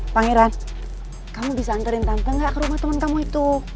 pangeran kamu bisa antarin tante gak ke rumah teman kamu itu